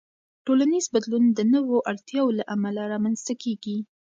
ټولنیز بدلون د نوو اړتیاوو له امله رامنځته کېږي.